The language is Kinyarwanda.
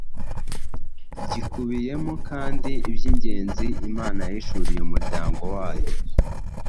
gikubiyemo kandi iby‟ingenzi Imana yahishuriye umuryango wayo